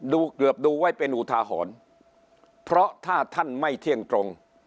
เกือบดูไว้เป็นอุทาหรณ์เพราะถ้าท่านไม่เที่ยงตรง